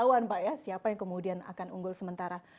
tidak ada kejauhan pak ya siapa yang kemudian akan unggul sementara